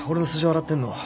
洗ってんの？